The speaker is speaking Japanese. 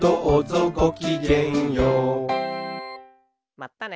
まったね。